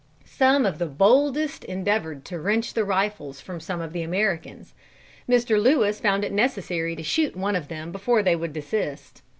Some of the boldest endeavored to wrench the rifles from some of the Americans. Mr. Lewis found it necessary to shoot one of them before they would desist.